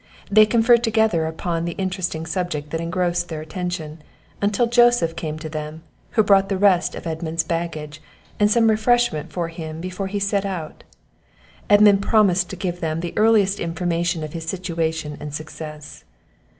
They conferred together upon the interesting subject that engrossed their attention, until Joseph came to them, who brought the rest of Edmund's baggage, and some refreshment for him before he set out. Edmund promised to give them the earliest information of his situation and success.